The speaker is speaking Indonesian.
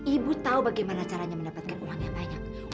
ibu tahu bagaimana caranya mendapatkan uang yang banyak